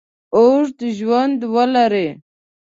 اوږد ژوند ولري.